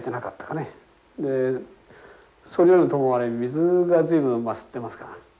でそれよりともあれ水が随分吸ってますから。